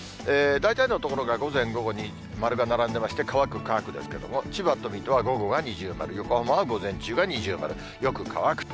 大体の所が午前、午後に丸が並んでまして、乾く、乾くですけれども、千葉と水戸は午後が二重丸、横浜は午前中が二重丸、よく乾くと。